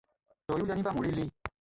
তয়ো জানিবা মৰিলি